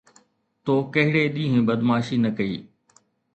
تو ڪھڙي ڏينھن بدمعاشي نه ڪئي؟